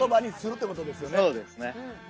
そうですね。